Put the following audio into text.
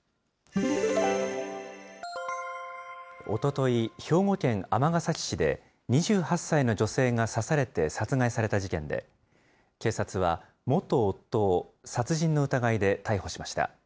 おととい、兵庫県尼崎市で、２８歳の女性が刺されて殺害された事件で、警察は、元夫を殺人の疑いで逮捕しました。